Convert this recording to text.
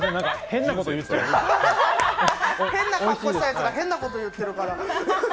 変な格好してやるやつが、変なこと言ってるから。